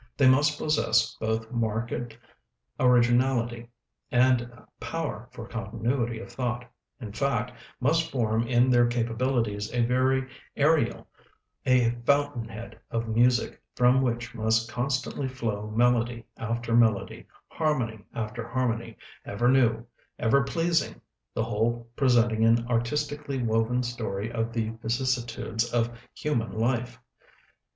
They must possess both marked originality, and power for continuity of thought; in fact, must form in their capabilities a very "Ariel," a fountain head of music, from which must constantly flow melody after melody, harmony after harmony, ever new, ever pleasing, the whole presenting an artistically woven story of the vicissitudes of human life.